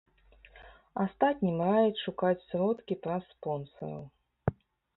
Астатнім раяць шукаць сродкі праз спонсараў.